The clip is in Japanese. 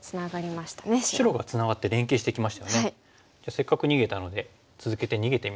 せっかく逃げたので続けて逃げてみましょう。